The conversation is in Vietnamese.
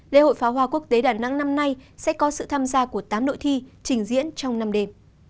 lễ hội pháo hoa quốc tế đà nẵng năm nay sẽ có sự tham gia của tám đội thi trình diễn trong năm đêm